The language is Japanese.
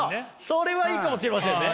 それはいいかもしれませんね。